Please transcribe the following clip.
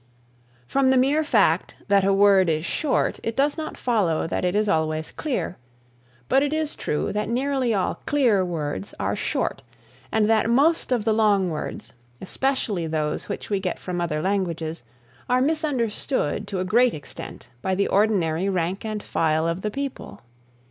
From the mere fact that a word is short it does not follow that it is always clear, but it is true that nearly all clear words are short, and that most of the long words, especially those which we get from other languages, are misunderstood to a great extent by the ordinary rank and file of the people.